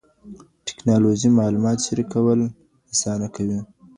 ټکنالوژي معلومات شريکول آسانه کوي.